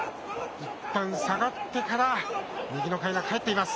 いったん下がってから、右のかいなかえっています。